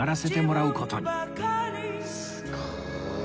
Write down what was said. すごい。